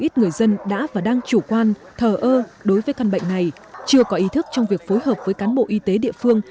thủ quan thờ ơ đối với căn bệnh này chưa có ý thức trong việc phối hợp với cán bộ y tế địa phương